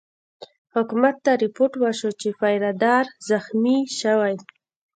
حکومت ته رپوټ وشو چې پیره دار زخمي شوی.